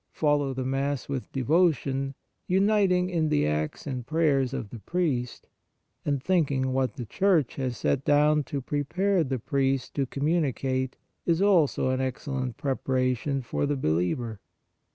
Follow the Mass with devotion, uniting in the acts and prayers of the priest, and think that what the Church has set down to prepare the priest to communicate is also an excellent preparation for the believer.